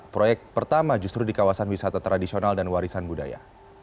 proyek pertama justru di kawasan wisata tradisional dan warisan budaya